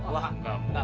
wah nggak mungkin kan